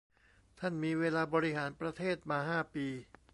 ท่านมีเวลาบริหารประเทศมา ห้า ปี